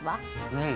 うん。